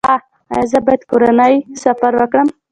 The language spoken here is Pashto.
ایا زه باید کورنی سفر وکړم؟